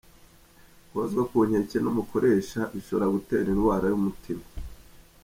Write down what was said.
Guhozwa ku nkeke n’umukoresha bishobora gutera indwara y’umutima